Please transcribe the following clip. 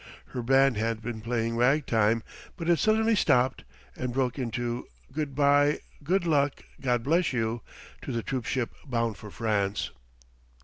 Her band had been playing ragtime, but it suddenly stopped and broke into "Good by, Good Luck, God Bless You," to the troop ship bound for France.